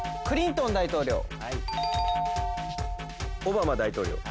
クリントン大統領。